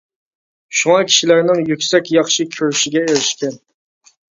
شۇڭا كىشىلەرنىڭ يۈكسەك ياخشى كۆرۈشىگە ئېرىشكەن.